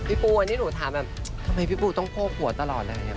พี่ปูอันนี้หนูถามแบบทำไมพี่ปูต้องโภกหัวตลอดเลย